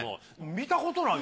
見たことない。